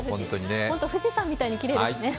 ホント、富士山みたいにきれいですね。